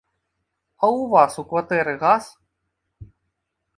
А у вас у кватэры газ?